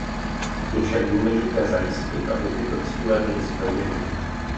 Je však důležité zajistit, aby tyto cíle byly splněny.